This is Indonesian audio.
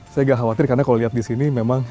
saya gak khawatir karena kalau lihat disini